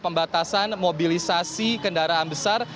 pembatasan mobilisasi kendaraan besar